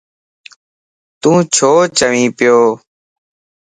تو ڇو چوين پيو.